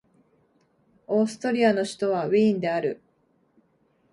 オーストリアの首都はウィーンである